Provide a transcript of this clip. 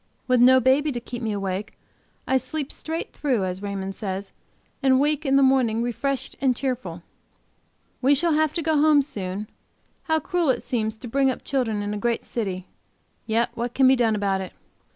With no baby to keep me awake, I sleep straight through, as Raymond says, and wake in the morning refreshed and cheerful. We shall have to go home soon; how cruel it seems to bring up children in a great city! Yet what can be done about it?